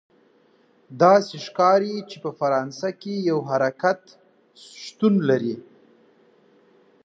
داسې ښکاري چې په فرانسه کې یو حرکت شتون لري.